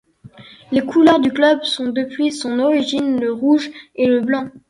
Les couleurs du club sont, depuis son origine, le rouge et le blanc.